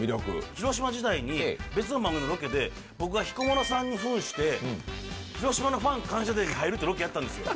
広島時代に別の番組のロケで、僕が彦摩呂さんにふんして、広島のファン感謝ＤＡＹに入るっていうロケやったんですよ。